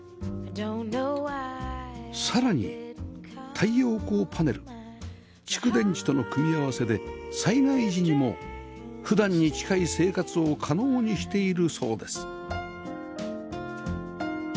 さらに太陽光パネル蓄電池との組み合わせで災害時にも普段に近い生活を可能にしているそうです